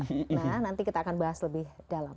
nah nanti kita akan bahas lebih dalam